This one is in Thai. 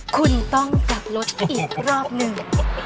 คุณต้องกลับรถอีกรอบหนึ่ง